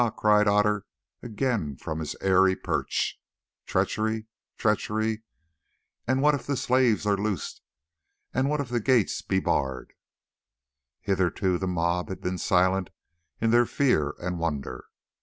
cried Otter again from his airy perch. "Treachery! treachery! And what if the slaves are loosed? And what if the gates be barred?" Hitherto the mob had been silent in their fear and wonder.